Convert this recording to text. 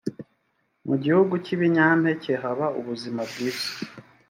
mu gihugu cy’ibinyampeke haba ubuzima bwiza